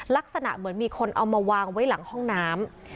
ลักษณะเหมือนมีคนเอามาวางไว้หลังห้องน้ำ